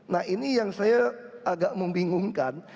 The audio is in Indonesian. nah ini yang saya agak membingungkan